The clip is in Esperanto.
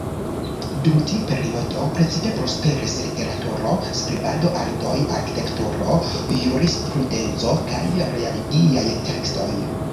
Dum tiu periodo precipe prosperis literaturo, skribado, artoj, arkitekturo, jurisprudenco kaj religiaj tekstoj.